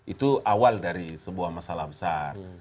itu awal dari sebuah masalah besar